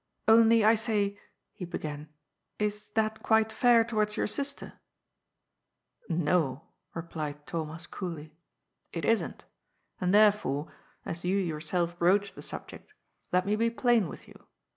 ^' Only, I say," he began, " is that quite fair towards your sister ?"" No," replied Thomas coolly. " It isn't. And, there fore, as you yourself broach the subject, let me be plain with you.